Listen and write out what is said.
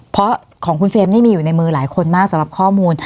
เพราะของคุณเฟรมนี่มีอยู่ในมือหลายคนมากสำหรับข้อมูล